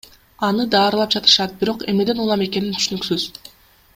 Аны даарылап жатышат, бирок эмнеден улам экени түшүнүксүз.